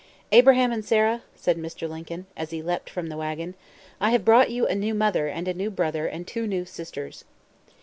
"Abraham and Sarah," said Mr. Lincoln, as he leaped from the wagon, "I have brought you a new mother and a new brother and two new sisters."